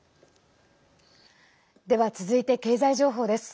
では、続いて経済情報です。